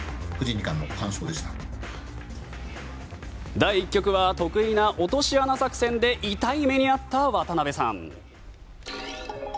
第１局は得意な落とし穴作戦で痛い目にあった渡辺さん。